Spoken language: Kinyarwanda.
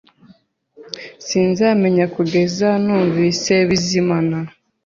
Sinzamenya kugeza numvise Bizimana